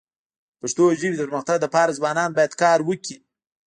د پښتو ژبي د پرمختګ لپاره ځوانان باید کار وکړي.